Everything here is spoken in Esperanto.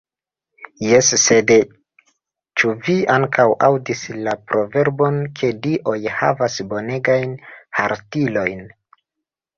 Jes sed, ĉu vi ankaŭ aŭdis la proverbon ke dioj havas bonegajn harstilojn?